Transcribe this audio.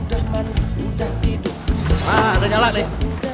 hah udah nyala deh